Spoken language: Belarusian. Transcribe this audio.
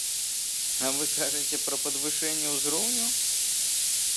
А вы кажаце пра падвышэнне ўзроўню?